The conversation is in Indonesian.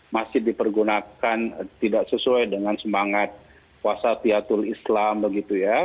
masjid dipergunakan tidak sesuai dengan semangat kuasa piatul islam begitu ya